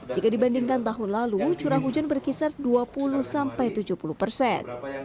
jika dibandingkan tahun lalu curah hujan berkisar dua puluh sampai tujuh puluh persen